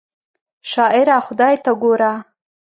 شاعره خدای ته ګوره!